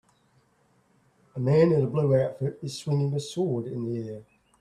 A man in a blue outfit is swinging a sword in the air.